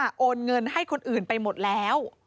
ก็อ้างว่าโอนเงินให้คนอื่นไปหมดแล้ว